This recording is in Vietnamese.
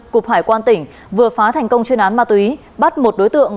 cục hải quan tỉnh vừa phá thành công chuyên án ma túy bắt một đối tượng